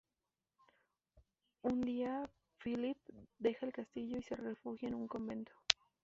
Un día Philippe deja el castillo y se refugia en un convento.